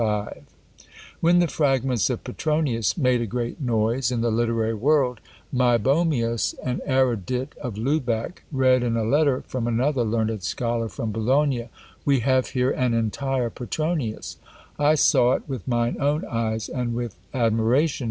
_ When the fragments of Petronius made a great noise in the literary world, Meibomius, an erudit of Lubeck, read in a letter from another learned scholar from Bologna, "We have here an entire Petronius; I saw it with mine own eyes, and with admiration."